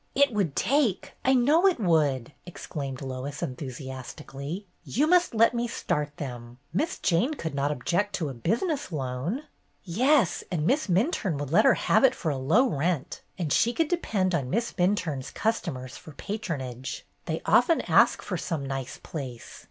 "It would take! I know it would!" ex claimed Lois, enthusiastically. "You must let me start them. Miss Jane could not object to a business loan." 1 68 BETTY BAIRD'S GOLDEN YEAR "Yes, and Miss Minturne would let her have it for a low rent, and she could depend on Miss Minturne's customers for patronage. They often ask for some nice place.